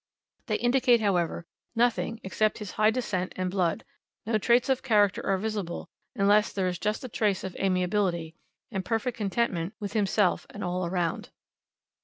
They indicate, however, nothing except his high descent and blood; no traits of character are visible unless there is just a trace of amiability, and perfect contentment with himself and all around.